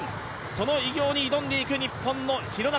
その偉業に挑んでいく日本の廣中。